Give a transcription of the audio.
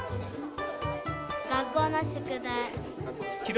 学校の宿題。